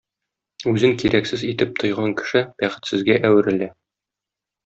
Үзен кирәксез итеп тойган кеше бәхетсезгә әверелә.